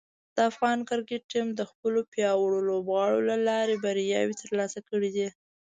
د افغان کرکټ ټیم د خپلو پیاوړو لوبغاړو له لارې بریاوې ترلاسه کړې دي.